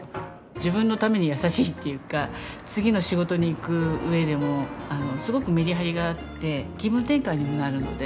自分のために優しいっていうか次の仕事に行く上でもすごくメリハリがあって気分転換にもなるので。